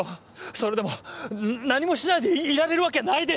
それでも何もしないでいられるわけないでしょ！